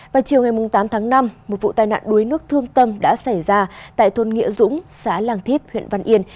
vào chiều ngày tám tháng năm một vụ tai nạn đuối nước thương tâm đã xảy ra tại thôn nghịa dũng xã lang thíp huyện văn yên